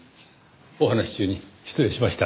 お話し中に失礼しました。